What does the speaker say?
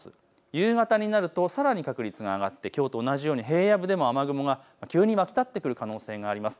夕方になるとさらに確率が上がってきょうと同じように平野部でも雨雲が急に湧き立ってくる可能性があります。